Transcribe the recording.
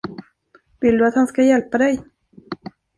Vill du att han ska hjälpa dig?